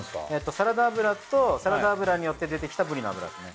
サラダ油とサラダ油によって出てきたブリの脂ですね。